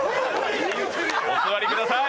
お座りください！